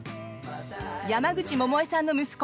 山口百恵さんの息子